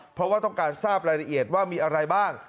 เพราะว่าต้องการทราบรายละเอียดว่ามีอะไรบ้าง